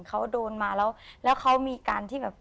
เขาโดนมาแล้วแล้วเขามีการที่แบบ